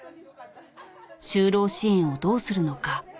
就労支援をどうするのか？